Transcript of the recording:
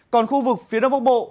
còn khu vực phía đông bắc bộ